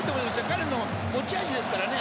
彼の持ち味ですからね